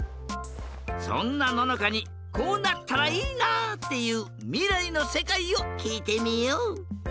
そんなののかにこうなったらいいなっていうみらいのせかいをきいてみよう！